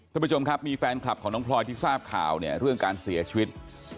ท่านผู้ชมครับมีแฟนคลับของน้องพลอยที่ทราบข่าวเนี่ยเรื่องการเสียชีวิต